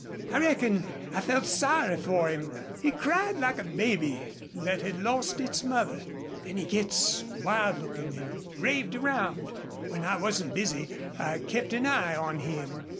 I reckon I felt sorry for him. He cried like a baby thet had lost its mother. Then he gets wild lookin' an' raved around. When I wasn't busy I kept an eye on him.